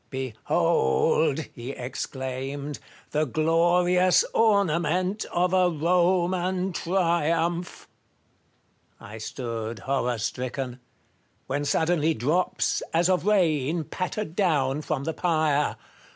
" Behold," he exclaimed, " the glorious ornament of a Koman triumph !" I stood horror stricken ; when suddenly drops, as of rain, pattered down from the pyre.